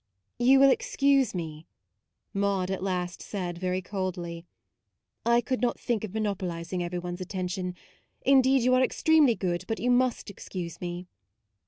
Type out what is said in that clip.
u You will excuse me," Maude at last said very coldly. " I could not think of monopolising every one's at tention. Indeed you are extremely good, but you must excuse me."